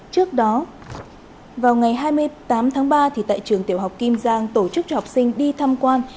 trước đó vào ngày hai mươi tám tháng ba tại trường tiểu học kim giang tổ chức cho học sinh đi tham quan